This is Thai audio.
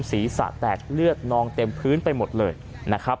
ศีรษะแตกเลือดนองเต็มพื้นไปหมดเลยนะครับ